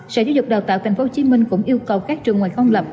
sở dục đào tạo tp hcm cũng yêu cầu các trường ngoài không lập